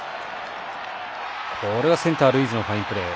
これはセンター、ルイーズのファインプレー。